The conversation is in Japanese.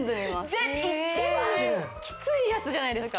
一番キツいやつじゃないですか。